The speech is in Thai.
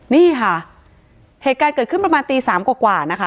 นี่ค่ะเหตุการณ์เกิดขึ้นประมาณตีสามกว่านะคะ